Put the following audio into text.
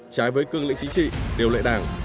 trái với cương lĩnh chính trị điều lệ đảng